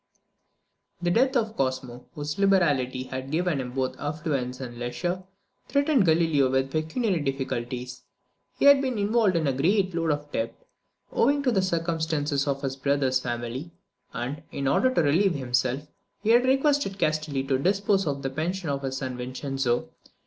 The death of Cosmo, whose liberality had given him both affluence and leisure, threatened Galileo with pecuniary difficulties. He had been involved in a "great load of debt," owing to the circumstances of his brother's family; and, in order to relieve himself, he had requested Castelli to dispose of the pension of his son Vincenzo.